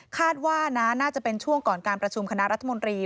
คาดว่านะน่าจะเป็นช่วงก่อนการประชุมคณะรัฐมนตรี